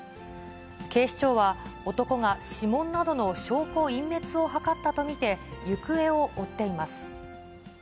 警視庁は、男が指紋などの証拠隠滅を図ったと見て、行方を追っています。